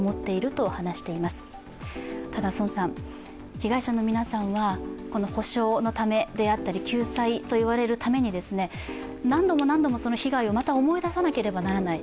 被害者の皆さんはこの補償のためであったり救済といわれるために、何度も何度も被害をまた思い出さなければいけません。